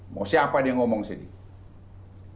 mau siapa dia ngomong sini